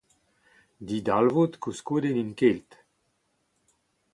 Didalvoud koulskoude n'int ket.